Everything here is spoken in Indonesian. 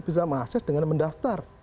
bisa mengakses dengan mendaftar